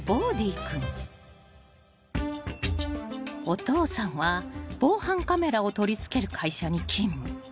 ［お父さんは防犯カメラを取り付ける会社に勤務］